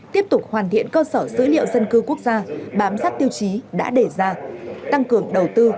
tiếp tục hoàn thiện cơ sở dữ liệu dân cư quốc gia bám sát tiêu chí đã đề ra tăng cường đầu tư